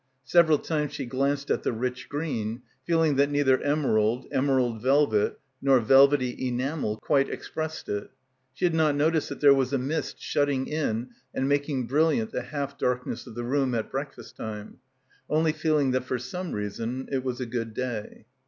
Several times she glanced at the rich green, feeling that neither 'emerald,' 'emerald velvet,' nor Velvety enamel' quite ex pressed it. She had not noticed that there was 4 mist shutting in and making brilliant the half darkness of the room at breakfast time, only feel ing that for some reason it was a good day.